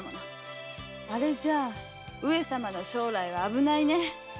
あれじゃ上様の将来は危ないね。